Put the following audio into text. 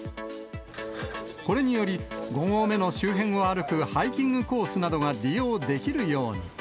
これにより、５合目の周辺を歩くハイキングコースなどが利用できるように。